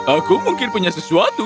aku mungkin punya sesuatu